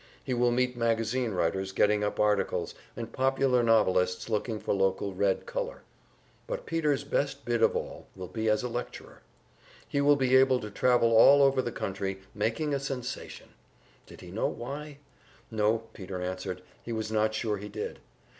He will meet magazine writers getting up articles, and popular novelists looking for local Red color. But Peter's best bid of all will be as a lecturer. He will be able to travel all over the country, making a sensation. Did he know why? No, Peter answered, he was not sure he did.